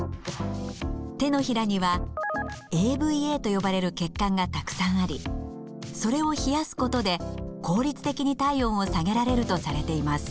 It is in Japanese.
手のひらにはＡＶＡと呼ばれる血管がたくさんありそれを冷やすことで効率的に体温を下げられるとされています。